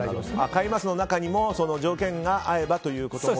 買いますの中にも条件が合えばということも。